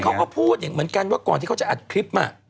เขาก็พูดอย่างเหมือนกันว่าก่อนที่เขาจะอัดคลิปมา